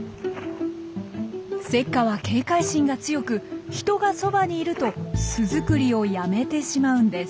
セッカは警戒心が強く人がそばにいると巣作りをやめてしまうんです。